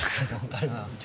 ありがとうございます。